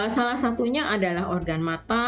salah satunya adalah organ mata